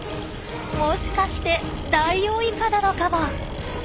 もしかしてダイオウイカなのかも。